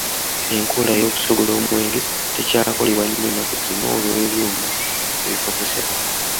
Enkola ey'okusogola omwenge tekyakolebwa nnyo ennaku zino olw'ebyuma ebikozesebwa.